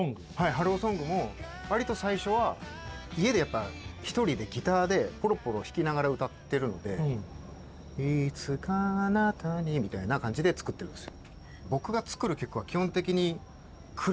「ＨｅｌｌｏＳｏｎｇ」もわりと最初は家で１人でギターでポロポロ弾きながら歌ってるので「いつかあなたに」みたいな感じで作ってるんですよ。